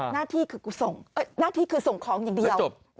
หน้าที่คือใส่ซ่งของอย่างเดียว